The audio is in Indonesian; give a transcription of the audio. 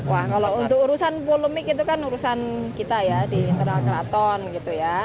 wah kalau untuk urusan polemik itu kan urusan kita ya di internal keraton gitu ya